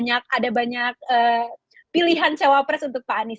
ada banyak pilihan cawapres untuk pak anies